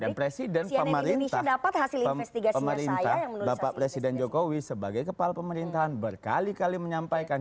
dan presiden pemerintah bapak presiden jokowi sebagai kepala pemerintahan berkali kali menyampaikan